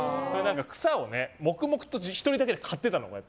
草を黙々と１人だけで刈ってたの。